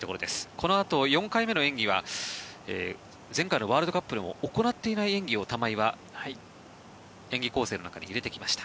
このあと４回目の演技は前回のワールドカップでも行っていない演技を玉井は演技構成の中に入れてきました。